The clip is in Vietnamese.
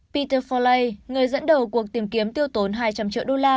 peter folay người dẫn đầu cuộc tìm kiếm tiêu tốn hai trăm linh triệu đô la